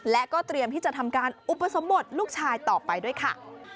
และก็เตรียมที่จะทำการอุปสมบทลูกชายต่อไปด้วยค่ะ